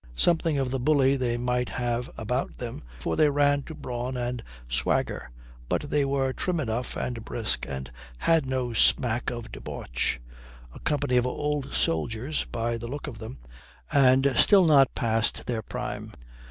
Something of the bully they might have about them, for they ran to brawn and swagger, but they were trim enough and brisk, and had no smack of debauch a company of old soldiers, by the look of them, and still not past their prime.